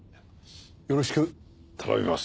よろしく頼みます。